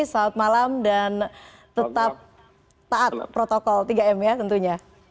selamat malam dan tetap taat protokol tiga m ya tentunya